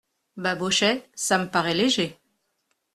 Babochet Ça me paraît léger !